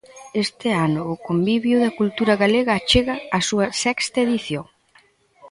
Este ano o Convivio da Cultura Galega chega á súa sexta edición.